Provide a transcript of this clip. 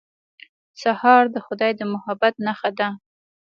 سهار د خدای د محبت نښه ده.